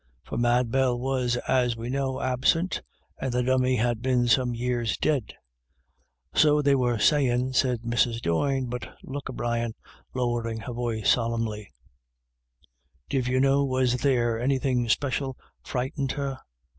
For Mad Bell was, as we know, absent, and the Dummy had been some years dead. 232 IRISH IDYLLS. u So they were sayinV said Mrs. Doyne. u But look a, Brian "— lowering her voice solemnly —" div you know was there — anythin* special frightened her?"